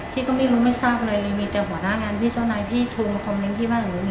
พี่ก็ไม่รู้ไม่ทราบอะไรเลยมีแต่หัวหน้างานพี่เจ้านายพี่โทรมาคอมเมนต์ที่บ้านหนู